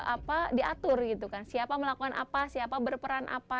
apa diatur gitu kan siapa melakukan apa siapa berperan apa